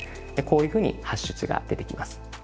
こういうふうにハッシュ値が出てきます。